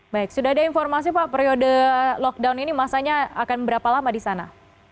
baik sudah ada informasi pak periode lockdown ini masanya akan berapa lama di sana